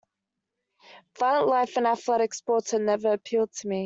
Violent life and athletic sports had never appealed to me.